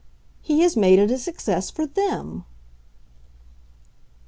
"He has made it a success for THEM